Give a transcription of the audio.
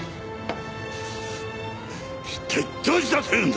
一体どうしたというんだ！